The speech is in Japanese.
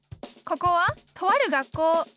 ここはとある学校。